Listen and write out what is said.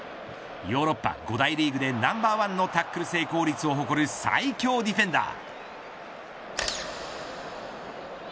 ヨーロッパ５大リーグでナンバーワンのタックル成功率を誇る最強ディフェンダー。